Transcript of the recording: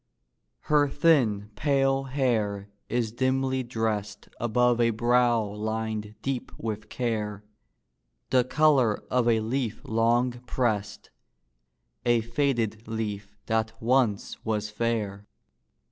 Her thin, pale hair is dimly dressed Above a brow lined deep with care, The color of a leaf long pressed, A faded leaf that once was fair.